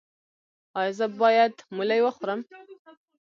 ایا زه باید ملی وخورم؟